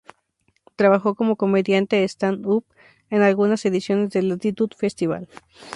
Trabajó como comediante "stand-up" en algunas ediciones del Latitude Festival.